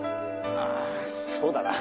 あそうだな。